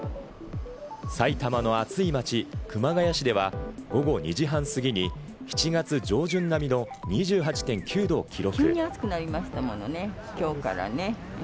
埼玉の暑い街・熊谷市では午後２時半過ぎに７月上旬並みの２８．９度を記録。